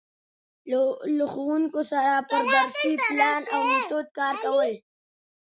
له ښـوونکو سره پر درسي پـلان او میتود کـار کول.